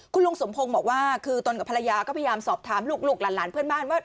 คุณลุงสมพงศ์บอกว่าคือตนกับภรรยาก็พยายามสอบถามลูกหลานเพื่อนบ้านว่า